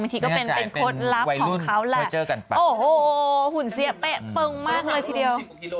มันทีก็เป็นงานไปของเขาหุ่นเสี้ยเปร้องมากเลยทีเดียว